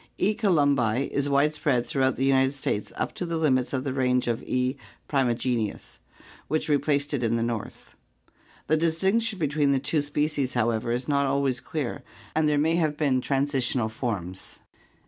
E. columbi is widespread throughout the United States up to the limits of the range of E. primigenius, which replaced it in the north. The distinction between the two species, however, is not always clear and there may have been transitional forms.